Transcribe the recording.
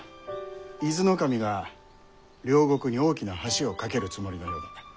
伊豆守が両国に大きな橋を架けるつもりのようだ。